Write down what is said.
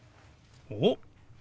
おっ！